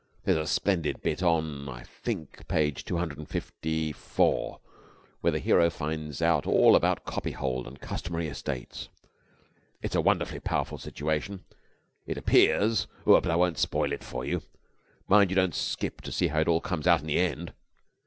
There's a splendid bit on, I think, page two hundred and fifty four where the hero finds out all about Copyhold and Customary Estates. It's a wonderfully powerful situation. It appears but I won't spoil it for you. Mind you don't skip to see how it all comes out in the end!"